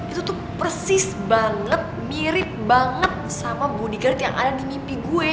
itu tuh persis banget mirip banget sama budi gurt yang ada di mimpi gue